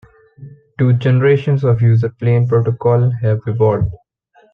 Two generations of User plane Protocol have evolved.